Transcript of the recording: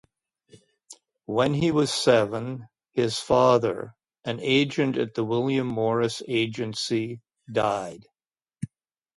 When he was seven, his father, an agent at the William Morris Agency, died.